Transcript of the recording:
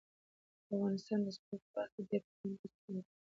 د افغانستان د سپورټ په برخه کي ډير پخوانی تاریخ لري.